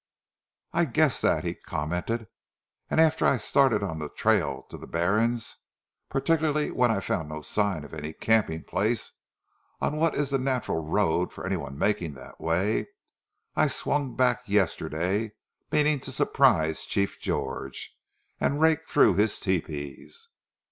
"I guessed that," he commented, "after I started on the trail to the Barrens, particularly when I found no signs of any camping place on what is the natural road for any one making that way. I swung back yesterday meaning to surprise Chief George, and rake through his tepees."